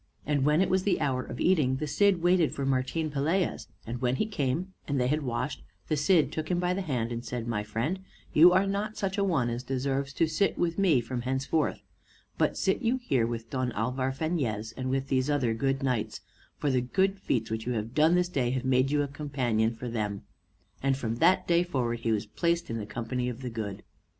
And when it was the hour of eating, the Cid waited for Martin Pelaez; and when he came, and they had washed, the Cid took him by the hand and said, "My friend, you are not such a one as deserves to sit with me from henceforth; but sit you here with Don Alvar Fañez, and with these other good knights, for the good feats which you have done this day have made you a companion for them;" and from that day forward he was placed in the company of the good.